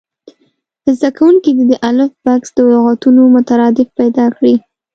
زده کوونکي دې د الف بکس د لغتونو مترادف پیدا کړي.